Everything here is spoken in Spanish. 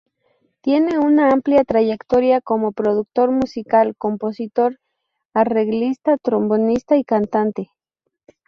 Tiene una amplia trayectoria como productor musical, compositor, arreglista, trombonista y cantante.